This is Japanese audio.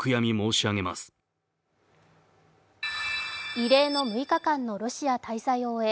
異例の６日間のロシア滞在を終え